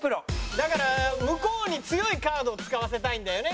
だから向こうに強いカードを使わせたいんだよね。